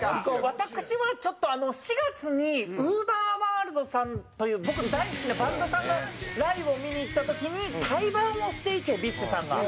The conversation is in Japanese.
私はちょっとあの４月にＵＶＥＲｗｏｒｌｄさんという僕の大好きなバンドさんのライブを見に行った時に対バンをしていてＢｉＳＨさんが。